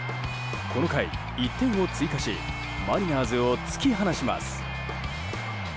この回、１点を追加しマリナーズを突き放します。